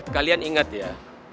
kalian ingat ya